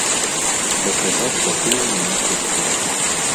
Бо казаць пакуль няма пра што.